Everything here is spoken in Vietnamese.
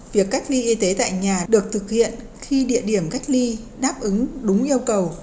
việc cách ly y tế tại nhà được thực hiện khi địa điểm cách ly đáp ứng đúng yêu cầu